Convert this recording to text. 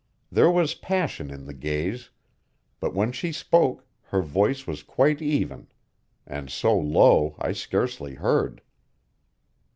There was passion in the gaze; but when she spoke her voice was quite even and so low I scarcely heard.